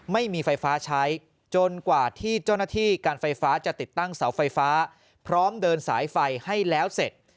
ไม่มีไฟฟ้าใช้จนกว่าที่เจ้าหน้าที่การไฟฟ้าจะติดตั้งเสาไฟฟ้าพร้อมเดินสายไฟให้แล้วเสร็จ